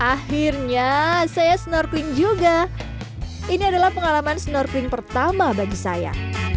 akhirnya saya snorkeling juga ini adalah pengalaman snorkeling pertama bagi saya